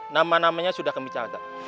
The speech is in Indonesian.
nama namanya sudah kami cacat